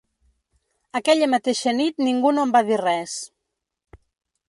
Aquella mateixa nit ningú no em va dir res.